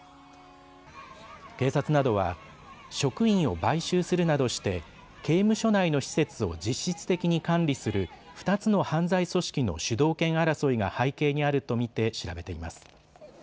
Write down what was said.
警察などは職員を買収するなどして刑務所内の施設を実質的に管理する２つの犯罪組織の主導権争いが背景にあると見て調べています。